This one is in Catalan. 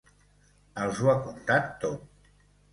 Els ho ha contat tot.